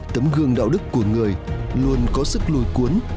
tấm gương đạo đức của người luôn có sức lôi cuốn